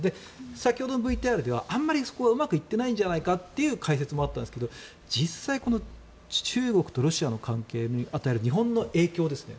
先ほどのＶＴＲではあまりそこはうまくいってないんじゃないかという解説もあったんですが実際、この中国とロシアの関係が与える日本の影響ですね。